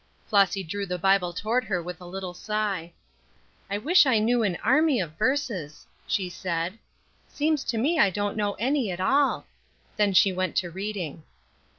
Flossy drew the Bible toward her with a little sigh. "I wish I knew an army of verses," she said. "Seems to me I don't know any at all." Then she went to reading.